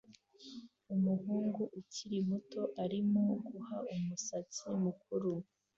Umuhungu ukiri muto arimo guha umusatsi mukuru